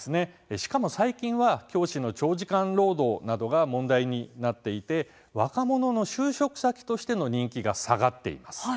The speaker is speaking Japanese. しかも、最近は教師の長時間労働が問題になっていて若者の就職先として人気が下がっています。